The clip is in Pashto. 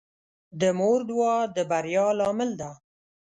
د مور دعا د بریا لامل ده.